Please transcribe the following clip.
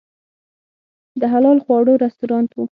د حلال خواړو رستورانت و.